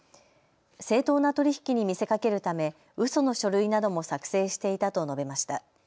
正当な取り引きに見せかけるためうその書類なども作成していたと述べました。